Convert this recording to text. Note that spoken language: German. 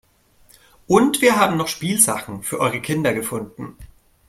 Und wir haben noch Spielsachen für eure Kinder gefunden.